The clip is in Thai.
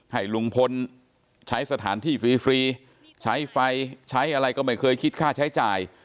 ให้ลุงพลใช้สถานที่ฟรีใช้ไฟใช้อะไรก็ไม่เคยคิดค่าใช้จ่าย